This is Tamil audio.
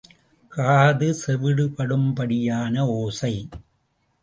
காது செவிடுபடும்படியான ஓசை.